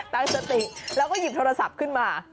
ตั้งสติแล้วก็หยิบโทรศัพท์ขึ้นมา